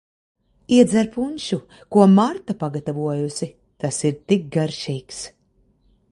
Iedzer punšu, ko Marta pagatavojusi, tas ir tik garšīgs.